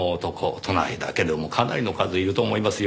都内だけでもかなりの数いると思いますよ。